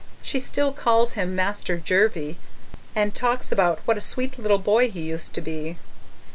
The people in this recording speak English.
She still calls him 'Master Jervie' and talks about what a sweet little boy he used to be.